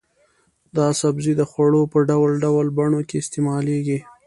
دا سبزی د خوړو په ډول ډول بڼو کې استعمالېږي.